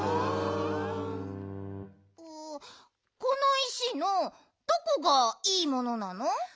この石のどこがいいものなの？